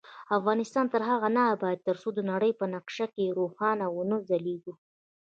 افغانستان تر هغو نه ابادیږي، ترڅو د نړۍ په نقشه کې روښانه ونه ځلیږو.